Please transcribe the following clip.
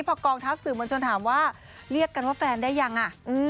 พอกองทัพสื่อมวลชนถามว่าเรียกกันว่าแฟนได้ยังอ่ะ